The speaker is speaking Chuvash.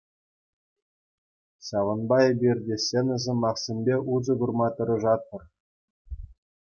Ҫаванпа эпир те ҫӗнӗ сӑмахсемпе усӑ курма тӑрашатпӑр.